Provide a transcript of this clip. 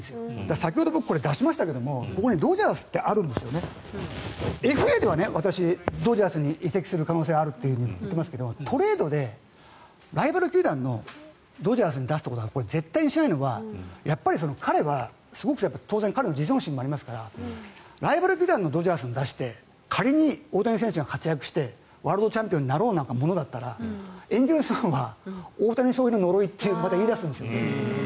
先ほど出しましたけどここにドジャースってありますがＦＡでは私、ドジャースに移籍する可能性あると言っていますがトレードで、ライバル球団のドジャースに出すということは絶対にしないのは、彼は当然彼の自尊心もありますからライバル球団のドジャースに出して仮に大谷選手が活躍してワールドチャンピオンになろうものだったらエンゼルスファンは大谷翔平の呪いとまた言い出すんですね。